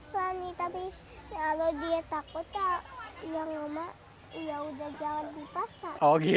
suami tapi kalau dia takut ya rumah ya udah jalan di pasar